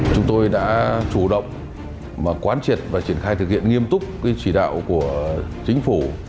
chúng tôi đã chủ động quán triệt và triển khai thực hiện nghiêm túc chỉ đạo của chính phủ